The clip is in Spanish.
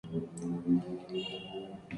El álbum recibió críticas mixtas en su mayoría.